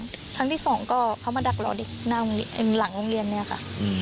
ครั้งที่สองก็เขามาดักรอเด็กหน้าหลังโรงเรียนเนี่ยค่ะ